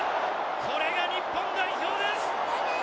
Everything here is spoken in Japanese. これが日本代表です！